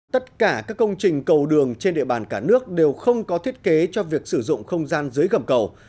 tất cả các công trình cầu đường trên địa bàn cả nước đều không có thiết kế cho việc sử dụng không gian dưới gầm cầu